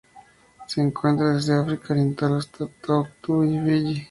Se encuentra desde el África Oriental hasta las Tuamotu y Fiyi.